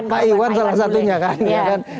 pak iwan salah satunya kan